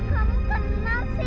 kamu kenal sih